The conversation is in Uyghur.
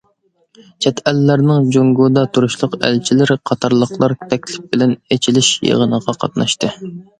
چەت ئەللەرنىڭ جۇڭگودا تۇرۇشلۇق ئەلچىلىرى قاتارلىقلار تەكلىپ بىلەن ئېچىلىش يىغىنىغا قاتناشتى.